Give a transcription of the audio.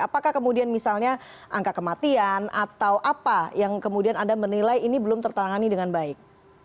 apakah kemudian misalnya angka kematian atau apa yang kemudian anda menilai ini belum tertangani dengan baik